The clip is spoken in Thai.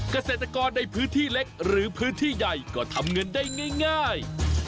เกษตรกรในพื้นที่เล็กหรือพื้นที่ใหญ่ก็ทำเงินได้ง่าย